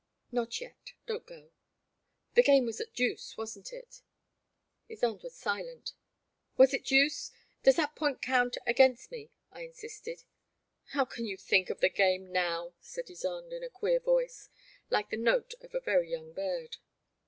Not yet — don't go. The game was at deuce, wasn't it? " Ysonde was silent. Was it deuce ? Does that point count against me?" I insisted. How can you think of the game now? " said Ysonde, in a queer voice — like the note of a very young bird.